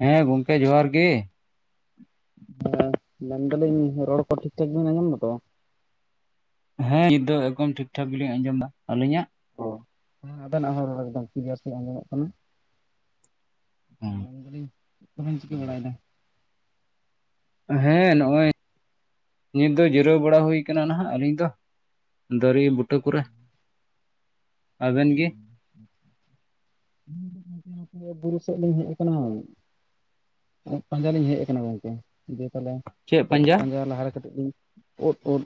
ᱦᱮᱸ ᱜᱚᱝᱠᱮ ᱡᱚᱦᱟᱨ ᱜᱮ? ᱦᱮᱸ, ᱢᱮᱱᱫᱟᱞᱤᱧ ᱨᱚᱲ ᱠᱚ ᱴᱷᱤᱠ ᱴᱷᱟᱠ ᱵᱤᱱ ᱟᱸᱡᱚᱢ ᱫᱟᱛᱚ? ᱦᱮᱸ ᱱᱤᱛ ᱫᱚ ᱮᱠᱫᱚᱢ ᱴᱷᱤᱠ ᱴᱷᱟᱠ ᱜᱮᱞᱤᱧ ᱟᱸᱡᱚᱢᱫᱟ, ᱟᱹᱞᱤᱧᱟᱜ? ᱚ ᱟᱵᱮᱱᱟᱜ ᱨᱚᱲ ᱦᱚᱸᱮᱠᱫᱚᱢ ᱠᱤᱞᱤᱭᱟᱨ ᱥᱟᱦᱤᱡ ᱟᱸᱡᱚᱢᱚᱜ ᱠᱟᱱᱟ᱾ ᱢᱮᱱ ᱫᱟᱞᱤᱧ ᱪᱮᱫ ᱠᱚᱵᱮᱱ ᱪᱤᱠᱟᱹ ᱵᱟᱲᱟᱭᱫᱟ? ᱦᱮᱸ ᱱᱚᱜᱼᱚᱭ, ᱱᱤᱛ ᱫᱚ ᱡᱤᱨᱟᱹᱣ ᱵᱟᱲᱟ ᱦᱩᱭ ᱠᱟᱱᱟ ᱱᱦᱟᱜ ᱟᱹᱞᱤᱧ ᱫᱚ᱾ ᱫᱟᱨᱮ ᱵᱩᱴᱟᱹ ᱠᱚᱨᱮ, ᱟᱵᱮᱱ ᱜᱮ ᱵᱩᱨᱩ ᱥᱮᱫ ᱞᱤᱧ ᱦᱮᱡ ᱠᱟᱱᱟ᱾ ᱳᱫᱽ ᱯᱟᱸᱡᱟ ᱞᱤᱧ ᱦᱮᱡ ᱠᱟᱱᱟ ᱜᱚᱝᱠᱮ, ᱫᱤᱭᱮ ᱛᱟᱦᱚᱞᱮ ᱳᱫᱽ ᱯᱟᱸᱡᱟ ᱞᱟᱦᱟᱨᱮ ᱠᱟᱴᱤᱡ ᱞᱤᱧ, ᱳᱫᱽ, ᱳᱫᱽ᱾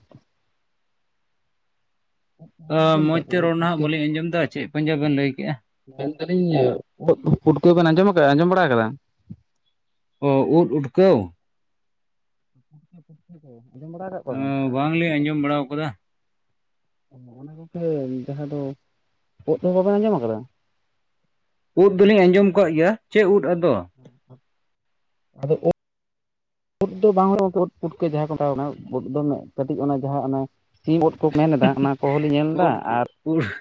ᱚ ᱵᱟᱵᱮᱱ ᱟᱸᱡᱚᱢ ᱢᱚᱸᱡᱽ ᱟᱠᱟᱫ ᱛᱮ ᱠᱚᱣᱟ ᱩᱫ ᱨᱚᱲ ᱱᱦᱟᱜ ᱯᱩᱴᱠᱟᱹ ᱠᱚ? ᱵᱟᱹᱞᱤᱧ ᱟᱸᱡᱚᱢ ᱫᱟ, ᱪᱮᱫ ᱯᱟᱸᱧᱡᱟ ᱵᱮᱱ ᱞᱟᱹᱭ ᱠᱮᱫᱼᱟ? ᱢᱮᱱᱫᱟᱞᱤᱧ ᱳᱫᱽ ᱯᱩᱴᱠᱟᱹ, ᱵᱮᱱ ᱟᱸᱡᱚᱢ ᱟᱠᱟᱫᱟ ᱟᱸᱡᱚᱢ ᱵᱟᱲᱟ ᱠᱟᱫᱟ? ᱚᱻ ᱳᱫᱽ ᱩᱴᱠᱟᱹᱣ? [inaudible] [inaudible] ᱵᱟᱝᱞᱤᱧ ᱟᱸᱡᱚᱢ ᱵᱟᱲᱟ ᱟᱠᱟᱫᱟ᱾ ᱚᱱᱟ ᱜᱚᱝᱠᱮ ᱡᱟᱦᱟᱸ ᱫᱚ ᱩᱫ ᱦᱚᱸ ᱵᱟᱵᱮᱱ ᱟᱸᱡᱚᱢ ᱟᱠᱟᱫᱟ᱾ ᱩᱫ ᱫᱚᱞᱤᱧ ᱟᱸᱡᱚᱢ ᱟᱠᱟᱫ ᱜᱮᱭᱟ ᱪᱮᱫ ᱩᱫ ᱟᱫᱚᱼᱼ ᱟᱫᱚ ᱩᱫ ᱫᱚ ᱵᱟᱝ ᱦᱩᱭᱩᱜᱼᱟ ᱠᱳᱴ ᱯᱩᱴᱠᱟᱹ ᱡᱟᱦᱟᱸ ᱠᱚ ᱢᱮᱛᱟᱣ ᱚᱱᱟ ᱵᱳᱴ ᱫᱚ ᱠᱟᱹᱴᱤᱡ ᱚᱱᱟ ᱡᱟᱦᱟᱸ ᱚᱱᱟᱼᱼ ᱥᱤᱢ ᱩᱛ ᱠᱚ ᱢᱮᱱ ᱮᱫᱟ ᱚᱱᱟ ᱠᱚᱦᱚᱸ ᱞᱤᱧ ᱧᱮᱞ ᱮᱫᱟ ᱟᱨᱼᱼ ᱩᱲᱦᱟ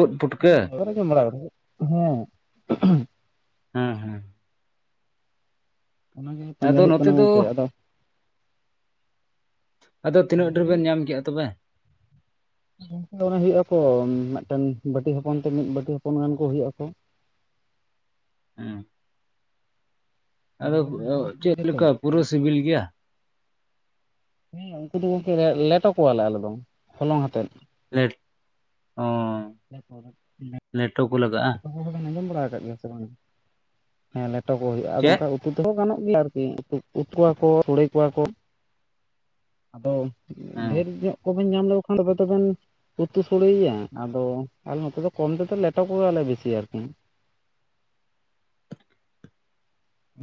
ᱩᱫ ᱯᱩᱴᱠᱟᱹ [unintelligible] ᱦᱮᱸ ᱦᱮᱸ ᱚᱱᱟᱜᱮ ᱯᱟᱸᱡᱟ ᱟᱫᱚ ᱦᱳᱭᱳᱜ ᱱᱚᱛᱮ ᱠᱟᱱᱟ ᱫᱚ ᱜᱚᱝᱠᱮ ᱟᱫᱚ ᱟᱫᱚ ᱛᱤᱱᱟᱹᱜ ᱞᱟᱹᱭ ᱰᱷᱮᱨ ᱵᱤᱱ ᱵᱮᱱ ᱧᱟᱢ ᱠᱮᱫᱼᱟ ᱛᱚᱵᱮᱼᱼ ᱜᱚᱝᱠᱮ ᱚᱱᱮ ᱦᱩᱭᱩᱜᱼᱟᱠᱚ ᱢᱤᱫᱴᱮᱱ ᱵᱟᱹᱴᱤ ᱦᱚᱯᱚᱱ ᱛᱮ ᱢᱤᱫ ᱵᱟᱹᱴᱤ ᱦᱚᱯᱚᱱ ᱜᱟᱱ ᱠᱚ ᱦᱩᱭᱩᱜᱼᱟᱠᱚ ᱦᱮᱸ ᱟᱫᱚ ᱟᱞᱮ ᱫᱚ ᱵᱩᱨᱩ ᱥᱩᱨ ᱪᱮᱫ ᱨᱮᱜᱮ ᱛᱚ, ᱞᱮᱠᱟ ᱯᱩᱨᱟᱹ ᱥᱤᱵᱤᱞ ᱜᱮᱭᱟ᱾ ᱦᱮᱸ ᱩᱱᱠᱩ ᱫᱚ ᱜᱚᱝᱠᱮ ᱞᱮᱴᱚ ᱠᱚᱣᱟᱞᱮ ᱟᱞᱮ ᱫᱚ ᱦᱚᱞᱚᱝ ᱟᱛᱮᱫ ᱞᱮᱴ ᱚᱸᱻ [unintelligible] ᱞᱮᱴᱚ ᱠᱚ ᱞᱟᱜᱟᱜᱼᱟ᱾ ᱟᱸᱡᱚᱢ ᱫᱚᱵᱮᱱ ᱟᱸᱡᱚᱢ ᱵᱟᱲᱟ ᱟᱠᱟᱫ ᱜᱮᱭᱟ ᱥᱮ ᱵᱟᱝ ᱦᱮᱸ ᱞᱮᱴᱚ ᱠᱚ ᱦᱩᱭᱩᱜᱼᱟ ᱟᱫᱚ ᱪᱮᱫ ᱚᱱᱠᱟ᱾ ᱩᱛᱩ ᱛᱮᱦᱚᱸ ᱜᱟᱱᱚᱜ ᱜᱮᱭᱟ ᱟᱨᱠᱤ ᱩᱛᱩ ᱠᱚᱣᱟ ᱠᱚ ᱥᱚᱲᱮ ᱠᱚᱣᱟ ᱠᱚᱼᱼ ᱟᱫᱚ ᱦᱮᱸ ᱰᱷᱮᱨ ᱧᱚᱜᱼᱼ ᱠᱚᱵᱮᱱ ᱧᱟᱢ ᱞᱮᱠᱚ ᱠᱷᱟᱱ ᱫᱚᱵᱮᱱ ᱩᱛᱩ ᱥᱲᱮᱭᱟ ᱟᱫᱚ ᱟᱞᱮ ᱱᱚᱛᱮ ᱫᱚ ᱠᱚᱢ ᱛᱮ ᱞᱮᱴᱚᱼᱼ ᱯᱣᱟᱞᱮ ᱵᱮᱥᱤ ᱟᱨᱠᱤ᱾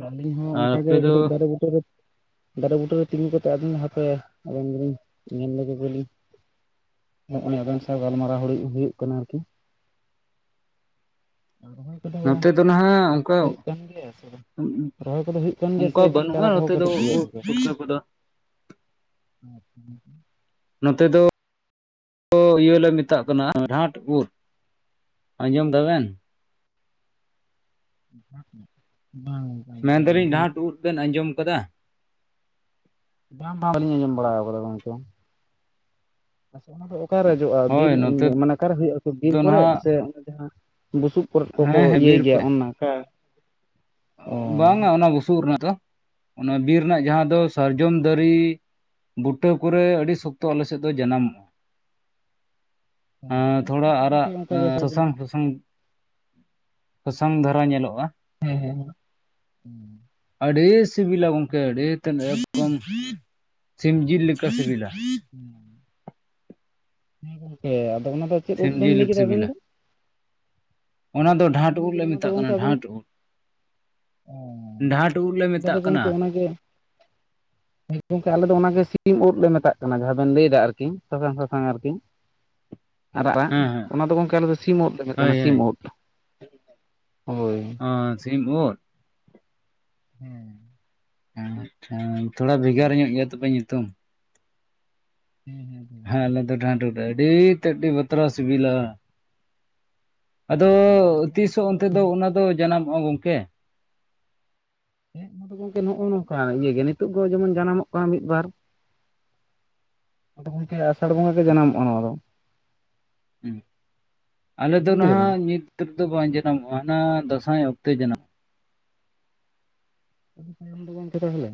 ᱟᱹᱞᱤᱧ ᱦᱚᱸ ᱟᱨ ᱚᱱᱠᱟᱜᱮ ᱟᱯᱮ ᱫᱚ ᱠᱟᱹᱴᱤᱡ ᱫᱟᱨᱮ ᱵᱩᱴᱟᱹ ᱨᱮᱼᱼ ᱫᱟᱨᱮ ᱵᱩᱴᱟᱹ ᱨᱮ ᱛᱤᱸᱜᱩ ᱠᱟᱛᱮ ᱟᱫᱚᱧ ᱦᱟᱯᱮ ᱟᱫᱚ ᱞᱤᱧ ᱧᱮᱞ ᱞᱮᱜᱮ ᱞᱤᱧᱼᱼ ᱟᱨ ᱚᱱᱮ ᱟᱵᱤᱱ ᱥᱟᱶ ᱜᱟᱞᱢᱟᱨᱟᱣ ᱦᱩᱭᱩᱜ ᱠᱟᱱᱟ ᱟᱨᱠᱤ᱾ ᱟᱨ ᱨᱚᱦᱚᱭ ᱠᱚᱫᱚ ᱱᱚᱛᱮ ᱫᱚ ᱱᱟᱦᱜ ᱚᱱᱠᱟ ᱦᱩᱭᱩᱜ ᱠᱟᱱ ᱜᱮᱭᱟ ᱥᱮ ᱵᱟᱝ ᱨᱚᱦᱚᱭ ᱠᱚᱫᱚ ᱦᱩᱭᱩᱜ ᱠᱟᱱ ᱜᱮᱭᱟ ᱥᱮ ᱚᱱᱠᱟ ᱮᱠᱷᱚᱱ ᱵᱟᱹᱱᱩᱜᱼᱟ ᱪᱟᱨᱟ ᱠᱚᱦᱚᱸ ᱱᱚᱛᱮ ᱫᱚ ᱠᱟᱹᱴᱤᱡ ᱜᱮᱭᱟ ᱩᱫ ᱜᱚᱝᱠᱮ ᱯᱩᱴᱠᱟᱹ ᱠᱚᱫᱚᱼᱼ [unintelligible] ᱱᱚᱛᱮ ᱫᱚ ᱤᱭᱟᱹ ᱞᱮ ᱢᱮᱛᱟᱜ ᱠᱟᱱᱟ ᱰᱷᱟᱸᱴ ᱩᱫ ᱟᱸᱡᱚᱢ ᱫᱟ ᱵᱮᱱ? ᱵᱟᱝ ᱵᱟᱝ ᱵᱟᱝ ᱢᱮᱱᱫᱟᱞᱤᱧ ᱵᱟᱝ ᱡᱦᱟᱸᱴ ᱩᱫ ᱵᱮᱱ ᱟᱸᱡᱚᱢ ᱟᱠᱟᱫᱟ? ᱵᱟᱝᱟᱢ ᱵᱟᱝ ᱵᱟᱞᱤᱧ ᱟᱸᱡᱚᱢ ᱵᱟᱲᱟ ᱟᱠᱟᱫᱟ ᱜᱚᱝᱠᱮ᱾ ᱚᱠᱟᱨᱮ ᱡᱚᱜᱼᱟ ᱵᱤᱨ ᱦᱳᱭ ᱱᱚᱛᱮ ᱢᱟᱱᱮ ᱚᱠᱟᱨᱮ ᱦᱩᱭᱩᱜᱼᱟ ᱵᱤᱨ ᱫᱚ ᱠᱚᱨᱮᱫ ᱱᱟᱦᱟᱜ ᱥᱮ ᱡᱟᱦᱟᱸ ᱵᱩᱥᱩᱵᱼᱼ ᱠᱚᱠᱚ ᱦᱮᱸ ᱦᱮᱸ ᱤᱭᱟᱹᱭ ᱵᱤᱨ ᱜᱮᱭᱟ ᱠᱚᱨᱮ ᱚᱱᱚᱠᱟ᱾ ᱵᱟᱝᱟ ᱚᱱᱟ ᱵᱩᱥᱩᱵ ᱨᱮᱱᱟᱜ ᱫᱚ ᱚᱱᱟ ᱵᱤᱨ ᱨᱮᱱᱟᱜ ᱡᱟᱦᱟᱸ ᱫᱚ ᱥᱟᱨᱡᱚᱢ ᱫᱟᱨᱮᱼᱼ ᱵᱩᱴᱟᱹ ᱠᱚᱨᱮ ᱟᱹᱰᱤ ᱥᱚᱠᱛᱚ ᱟᱞᱮᱥᱮᱫ ᱫᱚ ᱡᱟᱱᱟᱢᱚᱜᱼᱟ ᱦ ᱦᱮᱸ ᱟᱞᱮ ᱥᱮᱫ ᱛᱷᱚᱲᱟ ᱦᱚᱸ ᱜᱚᱝᱠᱮ ᱟᱨᱟᱜ ᱚᱱᱠᱟ ᱜᱮ ᱥᱟᱨᱡᱚᱢ ᱥᱟᱥᱟᱝ, ᱥᱟᱥᱟᱝ, ᱥᱟᱥᱟᱝ ᱫᱷᱟᱨᱟ ᱧᱮᱞᱚᱜᱼᱟ᱾ ᱦᱮᱸ ᱦᱮᱸ ᱟᱹᱰᱤ ᱥᱤᱵᱤᱞᱟ ᱜᱚᱝᱠᱮ ᱦᱮᱸ ᱟᱹᱰᱤ ᱛᱮᱫ ᱮᱠᱫᱚᱢ ᱥᱤᱢ ᱡᱤᱞ ᱞᱮᱠᱟ ᱥᱤᱵᱤᱞᱟ᱾ ᱦᱮᱸ ᱟᱫᱚ ᱚᱱᱟ ᱫᱚ ᱪᱮᱫ ᱥᱤᱢ ᱜᱚᱝᱠᱮᱢ ᱡᱤᱞ ᱞᱟᱹᱭ ᱞᱮᱠᱟ ᱠᱮᱫᱟ ᱟᱱᱟ ᱥᱤᱵᱤᱞᱟ ᱫᱚ [unintelligible] ᱚᱱᱟ ᱫᱚ ᱚ ᱰᱷᱟᱸᱴ ᱟᱞᱮ ᱩᱫ ᱞᱮ ᱢᱮᱛᱟᱜ ᱠᱟᱱᱟ ᱰᱷᱟᱸᱴ ᱩᱫ ᱰᱷᱟᱸᱴ ᱩᱫ ᱞᱮ ᱢᱮᱛᱟᱜ ᱫᱚ ᱠᱟᱱᱟ ᱜᱚᱝᱠᱮ ᱚᱱᱟᱜᱮ ᱦᱮᱸ ᱜᱚᱝᱠᱮ ᱟᱞᱮ ᱫᱚ ᱚᱱᱟᱜᱮ ᱥᱤᱢ ᱩᱫ ᱞᱮ ᱢᱮᱛᱟᱜᱼᱟ ᱠᱟᱱᱟ ᱠᱟᱱᱟ ᱡᱟᱦᱟᱸ ᱵᱮᱱ ᱞᱟᱹᱭᱫᱟ ᱟᱨᱠᱤ ᱥᱟᱥᱟᱝ ᱥᱟᱥᱟᱝ ᱟᱨᱠᱤ ᱟᱨᱟᱜ ᱟᱜ ᱦᱮᱸ ᱦᱮᱸ ᱚᱱᱟ ᱫᱚ ᱜᱚᱝᱠᱮ ᱟᱞᱮ ᱫᱚ ᱥᱤᱢ ᱩᱫ ᱞᱮ ᱢᱮᱛᱟᱜ ᱦᱳᱭ ᱠᱟᱱᱟ ᱥᱤᱢ ᱦᱳᱭ ᱩᱫ ᱦᱳᱭ ᱚ ᱥᱤᱢ ᱩᱫ ᱦᱮᱸ ᱟᱪᱪᱷᱟ ᱛᱷᱚᱲᱟ ᱵᱷᱮᱜᱟᱨ ᱧᱚᱜ ᱜᱮᱭᱟ ᱛᱚᱵᱮ ᱧᱩᱛᱩᱢ ᱦᱩᱸ ᱦᱩᱸ ᱦᱮᱸ ᱟᱞᱮ ᱫᱚ ᱴᱟᱱᱴ ᱟᱹᱰᱤ ᱛᱮᱫ ᱜᱤ ᱵᱟᱛᱨᱟ ᱥᱤᱵᱤᱞᱟ ᱟᱫᱚ ᱛᱤᱥᱚᱜ ᱚᱱᱛᱮ ᱫᱚ ᱚᱱᱟ ᱫᱚ ᱡᱟᱱᱟᱢᱚᱜᱼᱟ ᱜᱚᱝᱠᱮ ᱦᱮᱸ ᱛᱚ ᱜᱚᱝᱠᱮ ᱱᱚᱜᱼᱚ ᱱᱚᱝᱠᱟ ᱤᱭᱟᱹᱜᱮ ᱱᱤᱛᱚᱜ ᱫᱚ ᱡᱮᱢᱚᱱ ᱡᱟᱱᱟᱢᱚᱜ ᱠᱟᱱᱟ ᱢᱤᱫ ᱵᱟᱨ ᱟᱫᱚ ᱜᱚᱝᱠᱮ ᱟᱥᱟᱲ ᱵᱚᱸᱜᱟ ᱜᱮ ᱡᱟᱱᱟᱢᱚᱜᱼᱟ ᱱᱚᱣᱟ ᱫᱚ ᱦ ᱟᱞᱮ ᱫᱚ ᱟᱸᱡᱚᱢ ᱠᱮᱫᱟ ᱵᱮᱱ ᱱᱟᱦᱟᱜ ᱱᱤᱛ ᱨᱮᱫᱚ ᱵᱟᱝ ᱡᱟᱱᱟᱢᱚᱜᱼᱟ ᱦᱟᱱᱟ ᱫᱟᱸᱥᱟᱭ ᱚᱠᱛᱮ ᱡᱟᱱᱟᱢᱚᱜᱼᱟ ᱟᱹᱰᱤ ᱛᱟᱭᱚᱢ ᱫᱚ ᱜᱚᱝᱠᱮ ᱛᱟᱦᱞᱮ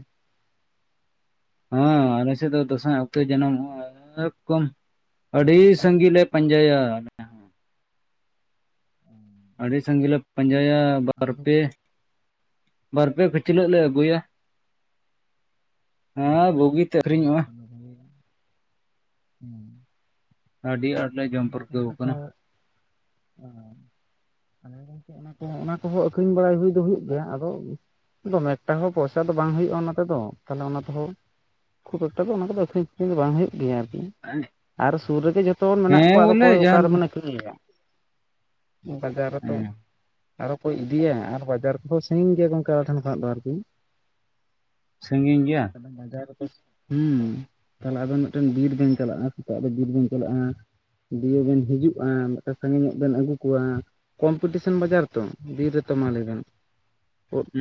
ᱦᱮᱸ ᱟᱞᱮ ᱥᱮᱫ ᱫᱚ ᱫᱟᱸᱥᱟᱭ ᱚᱠᱛᱚᱭ ᱡᱟᱱᱟᱢᱚᱜᱼᱟ ᱟᱹᱰᱤ ᱵᱟᱝ ᱥᱟᱺᱜᱤ ᱞᱮ ᱯᱟᱸᱡᱟᱭᱟ ᱟᱹᱰᱤ ᱥᱟᱸᱜᱮ ᱞᱮ ᱯᱟᱸᱡᱟᱭᱟ ᱵᱟᱨ ᱯᱮ ᱵᱟᱨ ᱯᱮ ᱯᱟᱹᱪᱷᱞᱟᱹᱜ ᱞᱮ ᱟᱹᱜᱩᱭᱟ ᱦᱮᱸ ᱵᱩᱜᱤᱛᱮ ᱟᱹᱠᱷᱨᱤᱧᱚᱜᱼᱟ ᱟᱹᱰᱤ ᱟᱴ [unintelligible] ᱚᱱᱟ ᱠᱚ ᱚᱱᱟ ᱠᱚᱦᱚᱸ ᱟᱠᱷᱨᱤᱧ ᱵᱟᱲᱟᱭ ᱦᱩᱭ ᱫᱚ ᱦᱩᱭᱩᱜ ᱜᱮᱭᱟ ᱟᱫᱚ ᱫᱚᱢᱮ ᱮᱠᱴᱟ ᱦᱚᱸ ᱯᱚᱭᱥᱟ ᱫᱚ ᱵᱟᱝ ᱦᱩᱭᱩᱜᱼᱟ ᱚᱱᱟ ᱛᱮᱫᱚ ᱛᱮ ᱚᱱᱟ ᱛᱮᱦᱚᱸ ᱠᱷᱩᱵ ᱮᱠᱴᱟ ᱫᱚ ᱚᱱᱟ ᱠᱚᱫᱚ ᱟᱹᱠᱷᱨᱤᱧᱠᱷᱨᱤᱧ ᱫᱚ ᱵᱟᱝ ᱦᱩᱭᱩᱜ ᱜᱮᱭᱟ ᱟᱨᱠᱤ ᱟᱨ ᱥᱩᱨ ᱨᱮᱜᱮ ᱡᱚᱛᱚᱱ ᱢᱮᱱᱟᱜ ᱦᱮᱸ ᱵᱚᱞᱮ ᱡᱟᱦᱟᱱ ᱟᱹᱨᱤᱧ ᱜᱮᱭᱟ ᱵᱟᱡᱟᱨ ᱨᱮᱛᱚ ᱦᱮᱸ ᱟᱨᱚ ᱠᱚ ᱤᱫᱤᱭᱟ ᱟᱨ ᱵᱟᱡᱟᱨ ᱠᱚᱦᱚᱸ ᱥᱟᱺᱜᱤᱧ ᱜᱮᱭᱟ ᱜᱚᱝᱠᱮ ᱟᱞᱮ ᱴᱷᱮᱱ ᱠᱷᱚᱱᱟᱜ ᱫᱚ ᱟᱨᱠᱤ ᱥᱟᱺᱜᱤᱧ ᱜᱮᱭᱟ ᱵᱟᱡᱟᱨ ᱨᱮᱫᱚ ᱦᱮᱸ ᱛᱟᱞᱦᱮ ᱟᱵᱮᱱ ᱢᱤᱫᱴᱮᱱ ᱵᱤᱨ ᱵᱮᱧ ᱪᱟᱞᱟᱜᱼᱟ ᱥᱮᱛᱟᱜ ᱨᱮ ᱫᱚ ᱵᱤᱨ ᱵᱮᱱ ᱪᱟᱞᱟᱜᱼᱟ ᱫᱤᱭᱮ ᱵᱮᱱ ᱦᱤᱡᱩᱜᱼᱟ ᱢᱤᱴᱮ ᱥᱟᱜᱮ ᱧᱚᱜ ᱵᱮᱱ ᱟᱹᱜᱩ ᱠᱚᱣᱟ ᱠᱚᱢᱯᱤᱴᱤᱥᱚᱱ ᱵᱟᱡᱟᱨ ᱛᱚ ᱵᱤᱨ ᱨᱮ ᱛᱚ ᱢᱟᱞᱟᱹᱭ ᱵᱮᱱ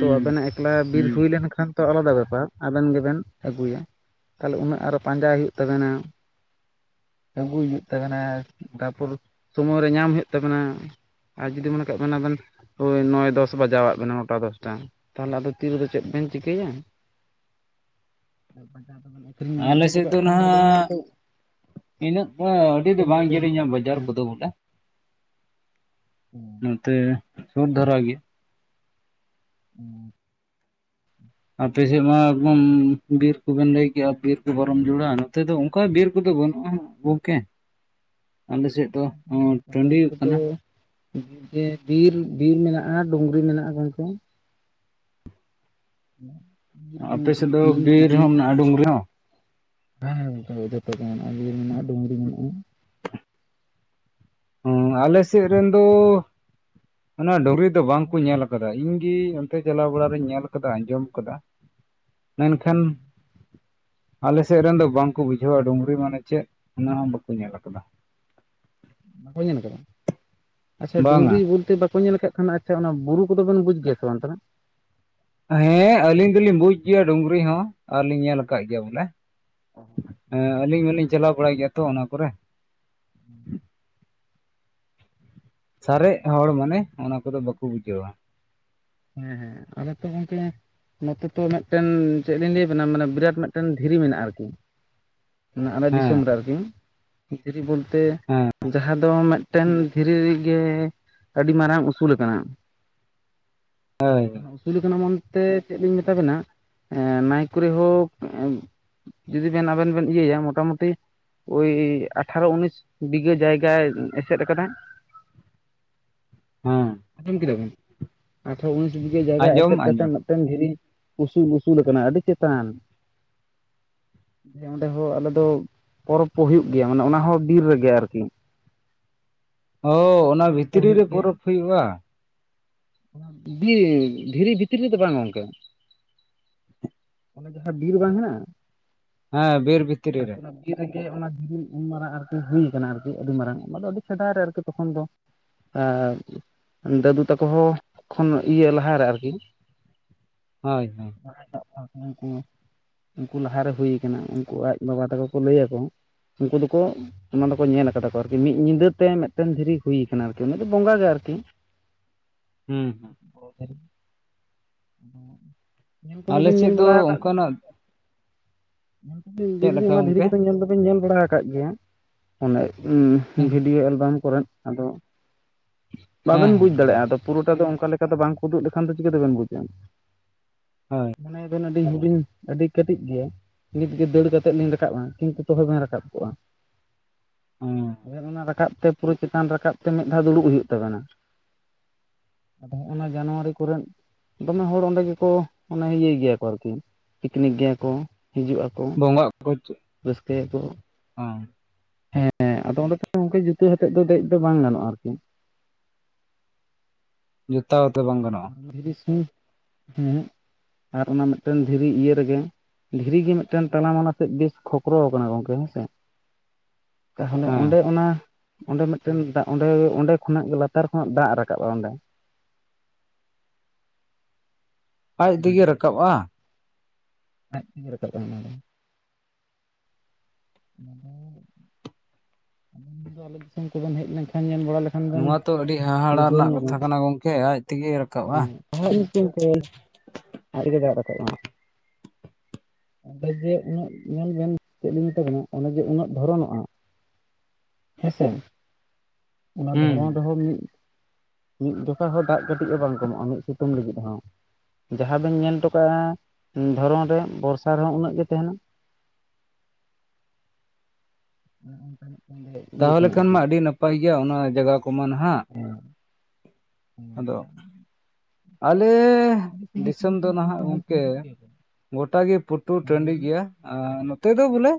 ᱛᱚ ᱟᱵᱮᱱᱟᱜ ᱮᱠᱞᱟ ᱵᱤᱨ ᱦᱩᱸ ᱦᱩᱭ ᱞᱮᱱᱠᱷᱟᱱ ᱛᱚ ᱟᱞᱟᱫᱟ ᱵᱮᱯᱟᱨ ᱟᱵᱮᱱ ᱜᱮᱵᱮᱱ ᱟᱹᱜᱩᱭᱟ ᱛᱟᱦᱚᱞᱮ ᱩᱱᱟᱹᱜ ᱟᱨᱚ ᱯᱟᱸᱡᱟᱭ ᱦᱩᱭᱩᱜ ᱛᱟᱵᱮᱱᱟ ᱟᱹᱜᱩᱭ ᱦᱩᱭᱩᱜ ᱛᱟᱵᱮᱱᱟ ᱛᱟᱨᱯᱚᱨ ᱥᱚᱢᱚᱭ ᱨᱮ ᱧᱟᱢ ᱦᱩᱭᱩᱜ ᱛᱟᱵᱮᱱᱟ ᱟᱨ ᱡᱩᱫᱤ ᱢᱚᱱᱮ ᱠᱟᱜ ᱵᱮᱱᱟ ᱟᱵᱮᱱ ᱳᱭ ᱱᱚᱭ ᱫᱚᱥ ᱵᱟᱡᱟᱣᱟᱜ ᱵᱮᱱᱟ ᱱᱚᱴᱟ ᱫᱚᱥᱴᱟ ᱛᱟᱦᱚᱞᱮ ᱟᱫᱚ ᱛᱤᱨᱮᱫᱚ ᱪᱮᱫ ᱵᱮᱱ ᱪᱤᱠᱟᱹᱭᱟ [inaudible] ᱵᱟᱡᱟᱨ ᱟᱹᱠᱷᱨᱤᱧ ᱵᱮᱱ ᱟᱞᱮ ᱤᱫᱤ ᱦᱚᱴᱚ ᱥᱮᱫ ᱠᱟᱜ ᱠᱷᱟᱱ ᱫᱚ ᱟᱫᱚ ᱩᱱ ᱱᱟᱦᱟᱜ ᱢᱟᱛᱚ ᱤᱱᱟᱹᱜ ᱫᱚ ᱟᱹᱰᱤ ᱫᱚ ᱵᱟᱝ ᱡᱤᱨᱤᱧᱟ ᱵᱟᱡᱟᱨ ᱠᱚᱫᱚ ᱵᱚᱞᱮ ᱦᱮᱸ ᱱᱚᱛᱮ ᱥᱩᱨ ᱫᱷᱟᱨᱟ ᱜᱮ ᱦᱩᱸ ᱟᱯᱮᱥᱮᱫ ᱢᱟ ᱮᱠᱫᱚᱢ ᱵᱤᱨ ᱠᱚᱵᱮᱱ ᱞᱟᱹᱭᱠᱮᱜᱼᱟ ᱵᱤᱨ ᱠᱚ ᱵᱟᱨᱚᱢ ᱡᱚᱲᱟ ᱱᱚᱛᱮ ᱫᱚ ᱚᱱᱠᱟ ᱵᱤᱨ ᱠᱚᱫᱚ ᱵᱟᱹᱱᱩᱜᱼᱟ ᱜᱚᱝᱠᱮ ᱟᱞᱮᱥᱮᱫ ᱫᱚ ᱟᱞᱮ ᱴᱟᱺᱰᱤ ᱱᱚᱛᱮ ᱫᱚ ᱠᱟᱱᱟ ᱡᱮ, ᱵᱤᱨ ᱵᱤᱨ ᱢᱮᱱᱟᱜᱼᱟ, ᱰᱩᱸᱜᱽᱨᱤ ᱢᱮᱱᱟᱜᱼᱟ, ᱜᱚᱝᱠᱮ ᱾ ᱦᱮᱸ ᱟᱯᱮ ᱥᱮᱫ ᱫᱚ, ᱵᱤᱨ ᱦᱚᱸ ᱢᱮᱱᱟᱜᱼᱟ, ᱰᱩᱸᱜᱽᱨᱤ ᱦᱚᱸ? ᱦᱮ [inaudible] ᱸ, ᱡᱚᱛᱚ ᱜᱮ ᱢᱮᱱᱟᱜᱼᱟ, ᱤᱭᱟᱹ ᱢᱮᱱᱟᱜᱼᱟ, ᱰᱩᱸᱜᱽᱨᱤ ᱢᱮᱱᱟᱜᱼᱟ ᱾ ᱦᱚᱸᱻ ᱟᱞᱮ ᱥᱮᱫ, ᱨᱮᱱ ᱫᱚ, ᱚᱱᱟ ᱰᱩᱸᱜᱽᱨᱤ ᱫᱚ, ᱵᱟᱝ ᱠᱚ, ᱧᱮᱞ ᱟᱠᱟᱫᱟ ᱾ ᱤᱧ ᱜᱮ ᱛᱮ, ᱪᱟᱞᱟᱣ ᱵᱟᱲ ᱨᱤᱧ, ᱧᱮᱞ ᱟᱠᱟᱫᱟ ᱾ ᱟᱸᱡᱚᱢ ᱟᱠᱟᱫᱟ, ᱢᱮᱱᱠᱷᱟᱱ ᱟᱞᱮ ᱥᱮᱫ ᱨᱮᱱ ᱫᱚ, ᱵᱟᱝ ᱠᱚ ᱵᱩᱡᱷᱟᱹᱣᱟ, ᱰᱩᱸᱜᱽᱨᱤ ᱢᱟᱱᱮ ᱪᱮᱫ? ᱚᱱᱟ ᱦᱚᱸ ᱵᱟᱠᱚ, ᱧᱮᱞ ᱟᱠᱟᱫᱟ ᱾ ᱵᱟᱠᱚ ᱧᱮᱞ ᱟᱠᱟᱫᱟ? ᱟᱪᱪᱷᱟ, ᱵᱟᱝᱟ ᱰᱩᱸᱜᱽᱨᱤ ᱵᱚᱞᱛᱮ ᱵᱟᱠᱚ, ᱧᱮᱞ ᱟᱠᱟᱫ, ᱠᱷᱟᱱ ᱥᱮ, ᱚᱱᱟ ᱵᱩᱨᱩ ᱠᱚᱫᱚ, ᱵᱮᱱ ᱵᱩᱡ ᱜᱮᱭᱟ ᱥᱮ ᱵᱟᱝ, ᱚᱱᱛᱮ ᱱᱟᱜ? ᱦᱮᱸᱻ ᱟᱹᱞᱤᱧ ᱫᱚᱞᱤᱧ ᱵᱩᱡ ᱜᱮᱭᱟ, ᱰᱩᱝᱨᱤ ᱦᱚᱸ, ᱟᱨᱞᱤᱧ ᱧᱮᱞ ᱟᱠᱟᱫ ᱜᱮᱭᱟ, ᱵᱚᱞᱮ ᱾ ᱮᱸᱻ, ᱟᱹᱞᱤᱧ ᱦᱚᱸᱞᱤᱧ ᱪᱟᱞᱟᱣ ᱵᱟᱲᱟ ᱜᱮᱭᱟ ᱛᱚ, ᱚᱱᱟ ᱠᱚᱨᱮ ᱾ ᱦᱮᱸ ᱥᱟᱨᱮᱜ ᱦᱚᱲ, ᱢᱟᱱᱮ ᱚᱱᱟ ᱠᱚᱫᱚ, ᱵᱟᱠᱚ, ᱵᱩᱡᱟᱹᱣᱟ ᱾ ᱦᱮᱸ ᱦᱮᱸ, ᱟ ᱨᱮ ᱛᱚ ᱜᱚᱝᱠᱮ ᱾ ᱱᱚᱛᱮ ᱛᱚ, ᱢᱤᱫᱴᱮᱱ ᱪᱮᱫ? ᱞᱤᱧ ᱞᱟᱹᱭ ᱟᱵᱮᱱᱟ ᱾ ᱢᱟᱱᱮ, ᱵᱤᱨᱟᱴ ᱢᱤᱫᱴᱮᱱ ᱫᱷᱤᱨᱤ ᱢᱮᱱᱟᱜᱼᱟ, ᱟᱨᱠᱤ ᱾ ᱟᱞᱮ ᱦᱮᱸ ᱫᱤᱥᱚᱢ ᱨᱮ ᱟᱨᱠᱤ, ᱫᱷᱤᱨᱤ ᱵᱚᱞᱛᱮ, ᱡᱟᱦᱟᱸ ᱫᱚ ᱢᱤᱫ ᱴᱮᱱ ᱫᱷᱤᱨᱤ ᱨᱮᱜᱮ, ᱟᱹᱰᱤ ᱢᱟᱨᱟᱝ ᱩᱥᱩᱞ ᱟᱠᱟᱱᱟ ᱾ ᱦᱳᱭ ᱾ ᱩᱥᱩᱞ ᱟᱠᱟᱱᱟ ᱢᱮᱱᱛᱮ, ᱪᱮᱫ ᱞᱤᱧ ᱢᱮᱛᱟ ᱵᱮᱱᱟ, ᱱᱟᱭ ᱠᱚᱨᱤ ᱦᱚᱠ [inaudible] ᱡᱩᱫᱤ ᱵᱮᱱ, ᱟᱵᱮᱱ ᱵᱮᱱ ᱤᱭᱟᱼᱭᱟ ᱢᱚᱴᱟᱢᱩᱴᱤ ᱳᱭ, ᱟᱴᱷᱟᱨᱚ ᱩᱱᱤᱥ, ᱵᱤᱜᱷᱟᱹ ᱡᱟᱭᱜᱟᱭ ᱮᱥᱮᱫ ᱟᱠᱟᱫᱟ‌᱾ [unintelligible] ᱟᱸᱡᱚᱢ ᱠᱮᱫᱟ ᱵᱮᱱ? ᱟᱴᱷᱟᱨᱚ ᱩᱱᱤᱥ ᱵᱤᱜᱷᱟ. ᱡᱟᱭᱜᱟ ᱟᱸᱡᱚᱢ ᱮᱥᱮᱫ ᱠᱟᱛᱮ ᱟᱸᱡᱚᱢ ᱢᱤᱫᱴᱮᱱ ᱫᱷᱤᱨᱤ, ᱩᱥᱩ-ᱩᱥᱩᱞ ᱟᱠᱟᱱᱟᱭ, ᱟᱹᱰᱤ ᱪᱮᱛᱟᱱ ᱾ [unintelligible] ᱡᱮ, ᱚᱸᱰᱮ ᱦᱚᱸ ᱟᱞᱮ ᱫᱚ, ᱯᱚᱨᱚᱵᱽ ᱠᱚ ᱦᱩᱭᱩᱜ ᱜᱮᱭᱟ ᱾ ᱚᱱᱮ ᱚᱱᱟ ᱦᱚᱸ ᱵᱤᱨ ᱨᱮᱜᱮ, ᱟᱨᱠᱤ ᱾ ᱚᱻ! ᱚᱱᱟ ᱯᱚᱨᱚᱵᱽ ᱠᱚ ᱵᱷᱤᱛᱨᱤ ᱦᱩᱭᱩᱜ ᱨᱮ, ᱯᱚᱨᱚᱵᱽ ᱦᱩᱭᱩᱜᱼᱟ ᱾ ᱤᱻᱭᱟ. ᱼᱫᱷᱤᱨᱤ ᱵᱷᱤᱛᱤᱨ ᱨᱮᱫᱚ, ᱵᱟᱝ ᱜᱚᱝᱠᱮ ᱾ ᱚᱱᱮ ᱡᱟᱦᱟᱸ, ᱵᱤᱨ ᱵᱟᱝ ᱦᱮᱱᱟᱜᱼᱟ? ᱦᱮᱸ, ᱵᱤᱨ ᱵᱤᱛᱨᱤ ᱨᱮ ᱾ [inaudible] ᱠᱤ ᱨᱮᱜᱮ ᱚᱱᱟ ᱩᱱ ᱢᱟᱨᱟᱝᱟᱜ ᱦᱩᱭ ᱟᱠᱟᱱᱟ, ᱟᱨᱠᱤ ᱟᱹᱰᱤ ᱢᱟᱨᱟᱝ, ᱚᱱᱟ ᱫᱚ, ᱟᱹᱰᱤ ᱥᱮᱫᱟᱭ ᱨᱮ, ᱟᱨᱠᱤ ᱛᱚᱠᱷᱚᱱ ᱫᱚ, ᱟᱨ, ᱫᱟᱹᱫᱩ ᱛᱟᱠᱚ, ᱦᱚ ᱠᱷᱚᱱ, ᱤᱭᱟᱹ ᱞᱟᱦᱟᱨᱮ ᱟᱨᱜᱤ ᱾ ᱦᱳᱭ ᱦᱳᱭ ᱾ [inaudible] ᱩᱱᱠᱩ ᱞᱟᱦᱟᱨᱮ ᱦᱩᱭ ᱟᱠᱟᱱᱟ, ᱩᱱᱠᱩ ᱟᱡ ᱵᱟᱵᱟ ᱛᱟᱠᱚ ᱠᱚ, ᱞᱟᱹᱭ ᱟᱠᱚ ᱾ ᱩᱱᱠᱩ ᱫᱚᱠᱚ ᱚᱱᱟ ᱫᱚᱠᱚ, ᱧᱮᱞ ᱟᱠᱟᱫᱟ ᱠᱚ, ᱟᱨᱠᱤ ᱢᱤᱫ ᱧᱤᱫᱟᱹ ᱛᱮ, ᱢᱤᱫᱴᱮᱱ ᱫᱷᱤᱨᱤ ᱦᱩᱭ ᱟᱠᱟᱱᱟ, ᱟᱨᱠᱤ ᱚᱱᱟ ᱫᱚ ᱵᱚᱸᱜᱟ ᱜᱮ ᱟᱨᱠᱤ ᱾ ᱦᱩᱸᱻ ᱾ [inaudible] ᱧᱮᱞ ᱠᱚᱫᱚ ᱟᱞᱮ ᱵᱤᱱ, ᱧᱮᱞ ᱥᱮᱫ ᱫᱚ ᱵᱟᱲᱟ ᱟᱠᱟᱫ ᱜᱮᱭᱟ? ᱚᱱᱠᱟᱱᱟᱜ [inaudible] ᱪᱮᱫ ᱫᱤᱫᱤ ᱞᱮᱠᱟ ᱚᱱᱟ ᱫᱷᱤᱨᱤ ᱜᱚᱝᱠᱮ ᱠᱚᱫᱚ, ᱧᱮᱞ ᱫᱚᱵᱮᱱ ᱧᱮᱞ, ᱵᱟᱲᱟ ᱟᱠᱟᱫ ᱜᱮᱭᱟ? ᱚᱱᱮ ᱩᱸᱻᱢ, ᱦᱮᱸ ᱵᱷᱤᱰᱤᱭᱳ ᱮᱞᱵᱟᱢ ᱠᱚᱨᱮᱱ, ᱟᱫᱚ? ᱦᱮᱸ ᱵᱟᱵᱮᱱ ᱵᱩᱡᱽ ᱫᱟᱲᱮᱭᱟᱜᱼᱟ ᱦᱮᱸ ᱾ ᱟᱫᱚ, ᱯᱩᱨᱟᱹᱴᱟ ᱫᱚ, ᱚᱱᱠᱟ ᱞᱮᱠᱟ ᱫᱚ ᱵᱟᱝ ᱠᱚ, ᱩᱫᱩᱜ ᱞᱮᱠᱷᱟᱱ ᱫᱚ, ᱪᱤᱠᱟᱹᱛᱮᱵᱮᱱ ᱵᱩᱡᱟ ᱧᱟᱢᱟ ᱦᱳᱭ ᱾ ᱚᱱᱮ ᱵᱮᱱ, ᱟᱹᱰᱤ ᱦᱩᱰᱤᱧ, ᱟᱹᱰᱤ ᱠᱟᱹᱴᱤᱡ ᱜᱮᱭᱟ ᱾ ᱱᱤᱛ ᱜᱮ, ᱫᱟᱹᱲ ᱠᱟᱛᱮᱫ ᱞᱤᱧ ᱨᱟᱠᱟᱵᱼᱟ ᱾ ᱠᱤᱱᱛᱩ, ᱛᱚᱦᱮ ᱵᱮᱱ ᱨᱟᱠᱟᱵ ᱠᱚᱜᱼᱟ ᱾ ᱚᱸᱻ ᱾ ᱚᱱᱟ ᱨᱟᱠᱟᱵ ᱛᱮ ᱯᱩᱨᱟᱹ ᱪᱮᱛᱟᱱ ᱨᱟᱠᱟᱵ ᱛᱮ ᱢᱤᱫ ᱫᱷᱟᱣ ᱫᱩᱲᱩᱵ ᱦᱩᱭᱩᱜ ᱛᱟᱵᱮᱱᱟ᱾ ᱚᱱᱟ ᱡᱟᱱᱩᱣᱟᱨᱤ ᱠᱚᱨᱮᱼᱼ ᱫᱚᱢᱮ ᱦᱚᱲ ᱚᱸᱰᱮ ᱜᱮᱠᱚ ᱢᱟᱱᱮ ᱤᱭᱟᱹᱭ ᱜᱮᱭᱟ ᱠᱚ ᱟᱨᱠᱤ ᱯᱤᱠᱱᱤᱠ ᱜᱮᱭᱟ ᱠᱚ ᱦᱤᱡᱩᱜᱼᱟ᱾ ᱵᱚᱸᱜᱟᱜ ᱠᱚ ᱪᱮᱫ? ᱦᱮᱸᱼᱼ ᱦᱮᱸ ᱟᱫᱚ ᱚᱸᱰᱮ ᱫᱚ ᱜᱚᱝᱠᱮ ᱡᱩᱛᱟᱹ ᱠᱟᱛᱮᱫ ᱫᱚ ᱫᱮᱡ ᱫᱚ ᱵᱟᱝ ᱜᱟᱱᱚᱜᱼᱟ ᱟᱨᱠᱤ ᱡᱚᱛᱟ ᱣᱟᱛᱮ ᱚᱸᱰᱮ ᱫᱷᱤᱨᱤ ᱥᱤ ᱦᱮᱸ ᱟᱨ ᱚᱱᱟ ᱢᱤᱫᱴᱮᱱ ᱫᱷᱤᱨᱤ ᱤᱭᱟᱹ ᱨᱮᱜᱮ᱾ ᱫᱷᱤᱨᱤ ᱜᱮ ᱢᱤᱫᱴᱟᱝ ᱛᱟᱞᱟ ᱢᱟᱞᱟ ᱥᱮᱫ ᱵᱮᱥ ᱠᱷᱚᱠᱨᱚᱣ ᱟᱠᱟᱱᱟ ᱜᱚᱝᱠᱮ ᱦᱮᱸᱥᱮ ᱛᱟᱦᱚᱞᱮ ᱦᱮᱸ ᱚᱸᱰᱮ ᱚᱱᱟ᱾ ᱚᱸᱰᱮ ᱢᱤᱫᱴᱮᱱ ᱫᱟ ᱚᱸᱰᱮ ᱚᱸᱰᱮ ᱠᱷᱚᱱᱟᱜ ᱞᱟᱛᱟᱨ ᱠᱷᱚᱱᱟᱜ ᱫᱟᱜ ᱨᱟᱠᱟᱵᱼᱟ ᱚᱸᱰᱮ ᱟᱡ ᱛᱮᱜᱮ ᱨᱟᱠᱟᱵᱼᱟ ᱟᱡ ᱛᱮᱜᱮ ᱨᱟᱠᱟᱵᱼᱟ ᱚᱱᱟ ᱫᱚ ᱟᱞᱮ ᱫᱤᱥᱚᱢ ᱠᱚᱵᱮᱱ ᱦᱮᱡ ᱞᱮᱱᱠᱷᱟᱱ ᱧᱮᱞ ᱵᱟᱲᱟ ᱞᱟᱼᱼ ᱱᱚᱣᱟ ᱛᱚ ᱟᱹᱰᱤ ᱦᱟᱦᱟᱲᱟ ᱨᱮᱱᱟᱜ ᱠᱟᱛᱷᱟ ᱠᱟᱱᱟ ᱜᱚᱝᱠᱮ ᱟᱡ ᱛᱮᱜᱮᱼᱼ ᱦᱮᱸᱟᱜ ᱧᱩᱛᱩᱢ ᱛᱮ ᱟᱡᱛᱮᱜᱮ ᱫᱟᱜ ᱨᱟᱠᱟᱵᱼᱟ ᱦᱟᱜ [inaudible] ᱚᱸᱰᱮ ᱡᱮ ᱩᱱᱟᱹᱜ ᱧᱮᱞ ᱵᱮᱱ ᱪᱮᱫ ᱞᱤᱧ ᱢᱮᱛᱟᱵᱮᱱᱟ ᱚᱱᱰᱮ ᱡᱮ ᱩᱱᱟᱹᱜ ᱫᱷᱚᱨᱚᱱᱚᱜᱼᱟ ᱦᱮᱸᱥᱮ ᱚᱱᱟ ᱦᱮᱸ ᱫᱷᱚᱨᱚᱱ ᱨᱮᱦᱚᱸ ᱢᱤᱫ ᱢᱤᱫ ᱡᱚᱠᱷᱟ ᱦᱚᱸ ᱫᱟᱜ ᱠᱟᱹᱴᱤᱡ ᱦᱚᱸ ᱵᱟᱝ ᱠᱚᱢᱚᱜᱼᱟ ᱢᱤᱫ ᱥᱤᱛᱩᱝ ᱞᱟᱹᱜᱤᱫ ᱦᱚᱸ ᱡᱟᱦᱟᱸ ᱵᱮᱱ ᱧᱮᱞ ᱦᱚᱴ ᱠᱟᱜ-ᱟ ᱫᱷᱚᱨᱚᱱ ᱨᱮ ᱵᱚᱨᱥᱟ ᱨᱮᱦᱚᱸ ᱩᱱᱟᱹᱜ ᱜᱮ ᱛᱟᱦᱮᱸᱱᱟ᱾ ᱦᱮᱡ ᱛᱟᱦᱚᱞᱮ ᱠᱷᱟᱱ ᱢᱟ ᱟᱹᱰᱤ ᱱᱟᱯᱟᱭ ᱜᱮᱭᱟ ᱚᱱᱟ ᱡᱟᱜᱟ ᱠᱚᱢᱟ ᱱᱟᱦᱟᱜ ᱟᱫᱚᱼᱼ ᱟᱞᱮᱼᱼ ᱟᱹᱰᱤ ᱥᱟᱺᱜᱤᱧ ᱫᱤᱥᱚᱢ ᱥᱟᱺᱜᱤᱧ ᱫᱚ ᱠᱷᱚᱱᱟᱜ ᱱᱟᱦᱟᱜ ᱚᱱᱠᱟ ᱦᱚᱲ ᱠᱚ ᱜᱚᱝᱠᱮ ᱦᱤᱡᱩᱜ ᱜᱮᱭᱟ ᱠᱚ ᱜᱚᱴᱟ ᱜᱮ ᱯᱩᱴᱩᱨ ᱦᱮᱸ ᱞᱟᱹᱭ ᱴᱟᱹᱰᱤ ᱵᱤᱱ ᱜᱮᱭᱟ ᱱᱚᱛᱮ ᱫᱚ ᱵᱚᱞᱮ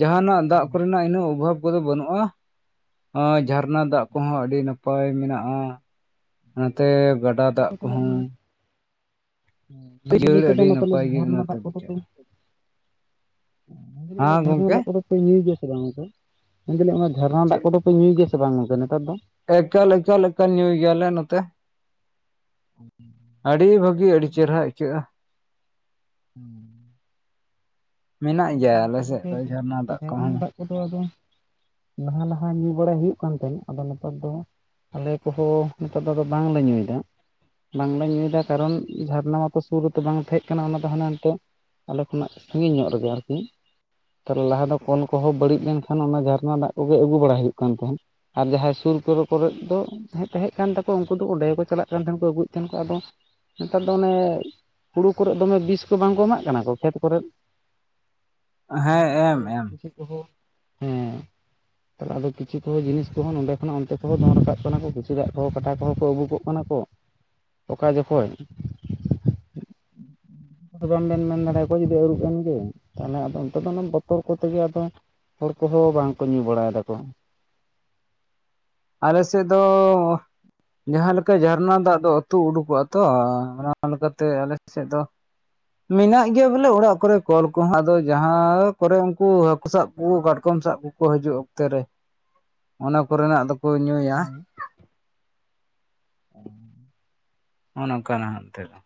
ᱡᱟᱦᱟᱸᱱᱟᱜ ᱫᱟᱜ ᱦᱮᱸ ᱠᱚᱨᱮᱱᱟᱜ ᱤᱱᱟᱹᱜ ᱚᱵᱷᱟᱵᱼᱼ ᱠᱚᱫᱚ ᱵᱟᱹᱱᱩᱜᱼᱟ ᱟᱸ ᱡᱷᱟᱨᱱᱟ ᱫᱟᱜ ᱠᱚᱦᱚᱸ ᱟᱹᱰᱤ ᱱᱟᱯᱟᱭ ᱢᱮᱱᱟᱜᱼᱟ ᱚᱱᱟᱛᱮ ᱜᱟᱰᱟ ᱫᱟᱜ ᱜᱚᱝᱠᱮ ᱠᱚᱦᱚᱸ ᱱᱚᱸᱵᱮ ᱞᱟᱹᱭ ᱡᱤᱭᱟᱹᱲ ᱠᱟᱫᱟ ᱟᱹᱰᱤ ᱢᱚᱛᱞᱚᱵ ᱱᱟᱯᱟᱭ ᱜᱮ ᱡᱷᱚᱨᱱᱟ ᱚᱱᱟᱛᱮ ᱫᱟᱜ ᱠᱚᱫᱚᱯᱮ ᱵᱩᱡᱷᱟᱹᱜᱼᱟ ᱚᱱᱰᱮ ᱚᱱᱟ ᱦᱮᱸ ᱡᱷᱟᱨᱱᱟ ᱜᱚᱝᱠᱮ ᱫᱟᱜ ᱠᱚᱫᱚᱼᱼ ᱧᱩᱭ ᱜᱮᱭᱟ ᱥᱮ ᱵᱟᱝ ᱚᱱᱛᱮ ᱢᱮᱱ ᱫᱟᱹᱞᱤᱧ ᱚᱱᱟ ᱡᱷᱟᱨᱱᱟ ᱪᱮᱫ ᱫᱟᱜ ᱠᱚᱫᱚ ᱯᱮ ᱧᱩᱭ ᱜᱮᱭᱟ ᱥᱮ ᱵᱟᱝ ᱚᱱᱛᱮ ᱱᱮᱛᱟᱨ ᱫᱚ? ᱮᱠᱟᱞ ᱮᱠᱟᱞ ᱮᱠᱟᱞ ᱧᱩᱭ ᱜᱮᱭᱟᱞᱮ ᱱᱚᱛᱮ᱾ ᱟᱹᱰᱤ ᱵᱷᱟᱹᱜᱤ ᱟᱹᱰᱤ ᱪᱮᱦᱨᱟ ᱟᱹᱭᱠᱟᱹᱜᱼᱟ᱾ ᱦᱩᱸ ᱢᱮᱱᱟᱜ ᱜᱮᱭᱟ ᱟᱞᱮ ᱢᱚᱸᱡᱽ ᱥᱮᱫ ᱫᱚ ᱜᱮ ᱡᱷᱟᱨᱱᱟ ᱫᱟᱜ ᱡᱷᱟᱨᱱᱟ ᱠᱚᱦᱚᱸ ᱫᱟᱜ ᱠᱚᱫᱚ ᱟᱫᱚ ᱞᱟᱦᱟ ᱞᱟᱦᱟ ᱧᱩ ᱵᱟᱲᱟᱭ ᱦᱩᱭᱩᱜ ᱠᱟᱱ ᱛᱟᱦᱮᱸᱱᱟ ᱟᱫᱚ ᱱᱮᱛᱟᱨ ᱫᱚᱼᱼ ᱟᱞᱮ ᱠᱚᱦᱚᱸ ᱱᱤᱛᱟᱨ ᱫᱚ ᱵᱟᱝᱞᱮ ᱧᱩᱭᱮᱫᱟ᱾ ᱵᱟᱝᱞᱮ ᱧᱩᱭᱮᱫᱟ ᱠᱟᱨᱚᱱ ᱡᱷᱟᱨᱱᱟ ᱢᱟᱛᱚ ᱥᱩᱨ ᱨᱮᱛᱚ ᱵᱟᱝ ᱛᱟᱦᱮᱸᱪ ᱠᱟᱱᱟ ᱚᱱᱟ ᱫᱚ ᱦᱟᱱᱦᱟᱱᱛᱮ ᱟᱞᱮ ᱠᱷᱚᱱᱟᱜ ᱥᱟᱺᱜᱤᱧ ᱧᱚᱜ ᱨᱮᱜᱮ ᱟᱨᱠᱤ᱾ ᱛᱟᱦᱚᱞᱮ ᱞᱟᱦᱟ ᱫᱚ ᱠᱚᱞ ᱠᱚᱦᱚᱸ ᱵᱟᱹᱲᱤᱡ ᱞᱮᱱᱠᱷᱟᱱ ᱚᱱᱟ ᱡᱷᱟᱨᱱᱟ ᱫᱟᱜ ᱠᱚᱜᱮ ᱟᱹᱜᱩ ᱵᱟᱲᱟ ᱦᱩᱭᱩᱜ ᱠᱟᱱ ᱛᱟᱦᱮᱸᱫ᱾ ᱟᱨ ᱡᱟᱦᱟᱸᱭ ᱥᱩᱨ ᱠᱚᱨᱮ ᱠᱚᱨᱮᱫ ᱫᱚ ᱛᱟᱦᱮᱪ ᱛᱟᱦᱮᱸᱫ ᱠᱟᱱ ᱛᱟᱠᱚᱣᱟ ᱩᱱᱠᱩ ᱫᱚ ᱚᱸᱰᱮ ᱜᱮᱠᱚ ᱪᱟᱞᱟᱜ ᱠᱟᱱ ᱛᱟᱦᱮᱸᱱ ᱠᱚ ᱟᱹᱜᱩᱭᱮᱫ ᱛᱟᱦᱮᱸᱱ ᱱᱟᱠᱚ ᱟᱫᱚᱼᱼ ᱱᱮᱛᱟᱨ ᱫᱚ ᱚᱱᱮ ᱦᱩᱲᱩ ᱠᱚᱨᱮᱫ ᱫᱚᱢᱮ ᱵᱤᱥ ᱠᱚ ᱵᱟᱝᱠᱚ ᱮᱢᱟᱜ ᱠᱟᱱᱟ ᱠᱚ ᱠᱷᱮᱛ ᱠᱚᱨᱮ ᱦᱮᱸ ᱛᱟᱦᱚᱞᱮ ᱟᱵᱚ ᱮᱢ ᱮᱢ ᱠᱤᱥᱤ ᱠᱚᱦᱚᱸ ᱦᱮᱸ ᱛᱟᱦᱚᱞᱮ ᱟᱫᱚ ᱠᱤᱪᱷᱩ ᱠᱚᱦᱚᱸ ᱡᱤᱱᱤᱥ ᱠᱚᱦᱚᱸ ᱱᱚᱸᱰᱮ ᱚᱱᱟ ᱚᱱᱛᱮ ᱠᱚᱦᱚᱸ ᱫᱚᱱ ᱨᱟᱠᱟᱵ ᱠᱟᱱᱟ ᱠᱚ ᱠᱤᱪᱷᱩ ᱫᱟᱜ ᱠᱚᱦᱚᱸ ᱠᱟᱴᱟ ᱠᱚᱦᱚᱸ ᱠᱚ ᱟᱹᱵᱩᱠᱚᱜᱼᱼ ᱚᱱᱟ ᱠᱚ ᱚᱠᱟ ᱡᱚᱠᱷᱚᱡᱼᱼ ᱯᱨᱚᱱ ᱵᱮᱱ ᱢᱮᱱ ᱫᱟᱲᱮᱭᱟ ᱠᱚᱣᱟ ᱚᱠᱚᱭ ᱡᱩᱫᱤ ᱟᱹᱨᱩᱵ ᱮᱱ ᱜᱮ᱾ ᱛᱟᱦᱚᱞᱮ ᱟᱫᱚ ᱚᱱᱛᱮ ᱫᱚ ᱚᱱᱟ ᱵᱚᱛᱚᱨ ᱠᱚᱛᱮᱜᱮ ᱟᱫᱚ ᱦᱚᱲ ᱠᱚᱦᱚᱸ ᱵᱟᱝᱠᱚ ᱧᱩ ᱵᱟᱲᱟᱭ ᱫᱟᱠᱚ᱾ ᱟᱞᱮ ᱥᱮᱫ ᱫᱚᱼᱼ ᱡᱟᱦᱟᱸ ᱞᱮᱠᱟ ᱡᱷᱟᱨᱱᱟ ᱫᱟᱜ ᱫᱚ ᱟᱹᱛᱩ ᱩᱰᱩᱠᱚᱜᱼᱟ ᱛᱚ ᱚᱱᱟ ᱞᱮᱠᱟᱛᱮ ᱟᱞᱮ ᱥᱮᱫ ᱫᱚᱼᱼ ᱢᱮᱱᱟᱜ ᱜᱮᱭᱟ ᱵᱚᱞᱮ ᱚᱲᱟᱜ ᱠᱚᱨᱮ ᱠᱚᱞ ᱠᱚᱦᱚᱸ ᱟᱫᱚ ᱡᱟᱦᱟᱸ ᱠᱚᱨᱮ ᱩᱱᱠᱩ ᱦᱟᱹᱠᱩ ᱥᱟᱵ ᱠᱚ ᱠᱟᱴᱠᱚᱢ ᱥᱟᱵ ᱠᱚᱼᱼ ᱠᱚ ᱦᱤᱡᱩᱜ ᱚᱠᱛᱮ ᱨᱮ ᱚᱱᱟ ᱠᱚᱨᱮᱱᱟᱜ ᱫᱚᱠᱚ ᱧᱩᱭᱟ᱾ ᱱᱚᱜ ᱱᱚᱝ ᱠᱟᱱᱟᱜ ᱦᱚᱱᱛᱮᱫᱚ